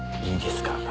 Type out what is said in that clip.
いいんですか？